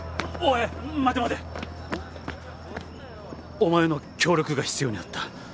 お前の協力が必要になった。